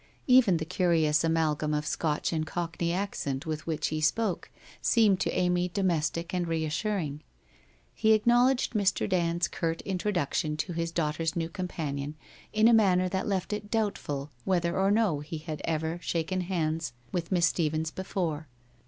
Even the curious amalgam of Scotch and Cockney accent with which he spoke seemed to Amy domestic and reassuring. He acknowl edged Mr. Dand's curt introduction to his daughter's new companion in a manner that left it doubtful whether or no he had ever shaken hands with Miss Stephens before.